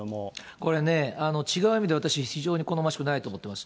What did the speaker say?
これね、違う意味で私、非常に好ましくないと思っています。